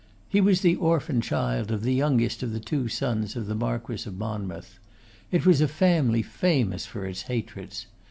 He was the orphan child of the youngest of the two sons of the Marquess of Monmouth. It was a family famous for its hatreds.